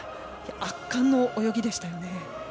圧巻の泳ぎでしたよね。